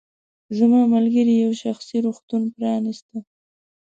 زما ملګرې یو شخصي روغتون پرانیسته.